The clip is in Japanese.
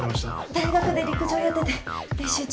大学で陸上やってて練習中